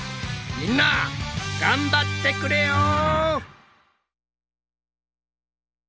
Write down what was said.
みんな頑張ってくれよ！